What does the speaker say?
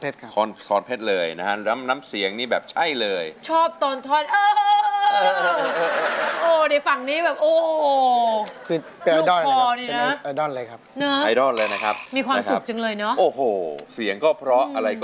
สอนเทศครับ